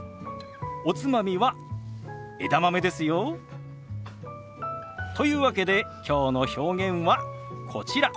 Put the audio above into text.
おつまみは枝豆ですよ。というわけできょうの表現はこちら。